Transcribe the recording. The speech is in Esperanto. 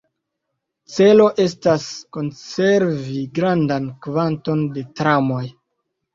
Celo estas, konservi grandan kvanton de tramoj.